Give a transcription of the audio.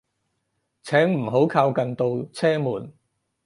請唔好靠近度車門